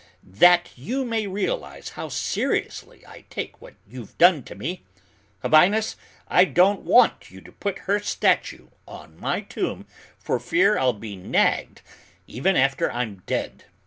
That you may realize how seriously I take what you've done to me Habinnas, I don't want you to put her statue on my tomb for fear I'll be nagged even after I'm dead!